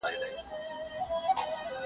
ستا د حُسن ښار دي خدای مه کړه چي وران سي,